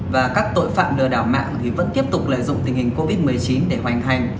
và các tội phạm lừa đảo mạng thì vẫn tiếp tục lợi dụng tình hình covid một mươi chín để hoàn thành